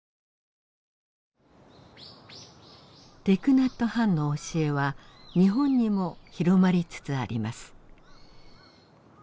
ティク・ナット・ハンの教えは日本にも広まりつつあります。